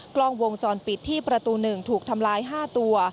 กล้องวงจรปิดที่ประตู๑ถูกทำลาย๕ตัว